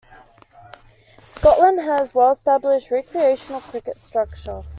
Scotland has a well established recreational cricket structure.